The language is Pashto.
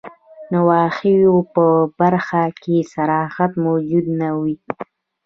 نواهیو په برخه کي صراحت موجود نه وي.